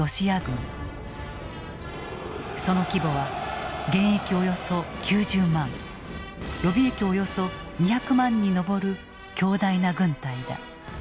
その規模は現役およそ９０万予備役およそ２００万に上る強大な軍隊だ。